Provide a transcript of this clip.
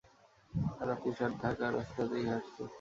তারা তুষার ঢাকা রাস্তাতেই হাঁটছে!